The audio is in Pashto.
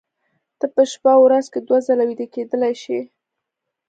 ته په شپه ورځ کې دوه ځله ویده کېدلی شې